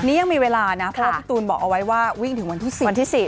นี่ยังมีเวลานะเพราะว่าพระตูนบอกเอาไว้ว่าวิ่งถึงวันที่๑๐